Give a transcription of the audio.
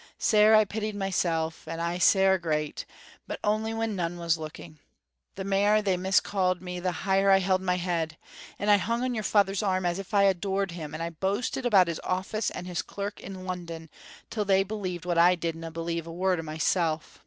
Sair I pitied mysel', and sair I grat, but only when none was looking. The mair they miscalled me the higher I held my head, and I hung on your father's arm as if I adored him, and I boasted about his office and his clerk in London till they believed what I didna believe a word o' myself.